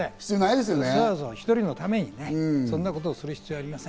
そもそも１人のためにそんなことをする必要はありません。